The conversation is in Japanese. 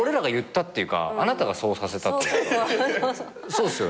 そうっすよ